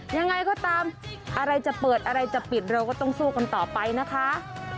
ยังไงก็ตามอะไรจะเปิดอะไรจะปิดเราก็ต้องสู้กันต่อไปนะคะ